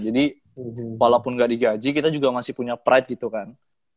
jadi walaupun gak di gaji kita juga masih punya pride gitu kan